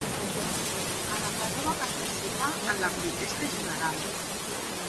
A la presó va participar en la protesta general.